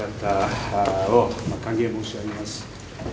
歓迎申し上げます。